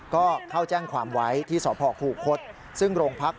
ก็เข้าแจ้งความไว้ที่สพคูคศซึ่งโรงพัก